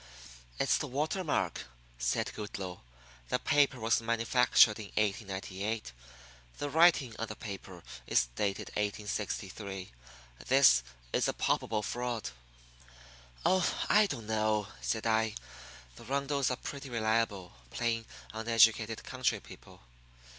"It's the water mark," said Goodloe. "The paper was manufactured in 1898. The writing on the paper is dated 1863. This is a palpable fraud." "Oh, I don't know," said I. "The Rundles are pretty reliable, plain, uneducated country people.